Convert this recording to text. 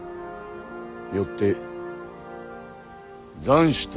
よって斬首とする。